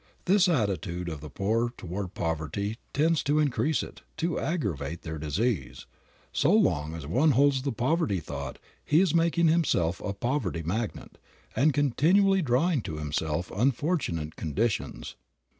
This attitude of the poor toward poverty tends to increase it, to aggravate their disease. So long as one holds the poverty thought he is making himself a poverty magnet, and continually drawing to himself unfortunate conditions.